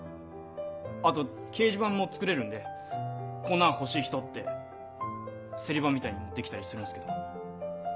あと掲示板も作れるんで「こんなの欲しい人」って競り場みたいにもできたりするんすけど。